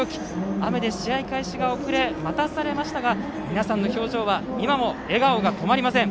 雨で試合開始が遅れ待たされましたが皆さんの表情は今も笑顔がとまりません。